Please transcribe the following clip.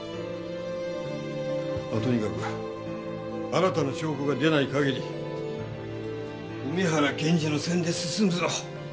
まあとにかく新たな証拠が出ない限り梅原検事の線で進むぞ。